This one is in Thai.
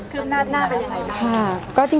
อเรนนี่วันวันนี้คือหน้าที่ไหน